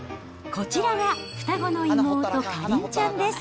こちらが、双子の妹、かりんちゃんです。